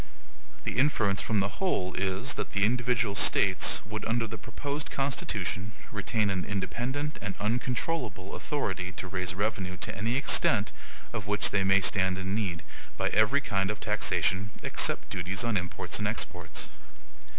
The inference from the whole is, that the individual States would, under the proposed Constitution, retain an independent and uncontrollable authority to raise revenue to any extent of which they may stand in need, by every kind of taxation, except duties on imports and exports.